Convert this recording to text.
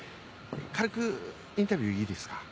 軽くインタビューいいですか？